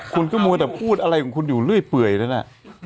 คุณก็มัวแต่พูดอะไรของคุณอยู่เรื่อยเปื่อยนั่นน่ะ